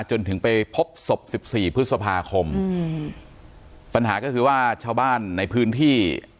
จนถึงไปพบศพสิบสี่พฤษภาคมอืมปัญหาก็คือว่าชาวบ้านในพื้นที่